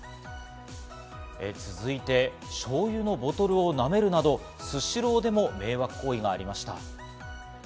続いて、しょうゆのボトルをなめるなど、スシローでも迷惑行為がありました。